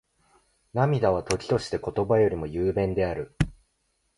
涙は、時として言葉よりも雄弁である。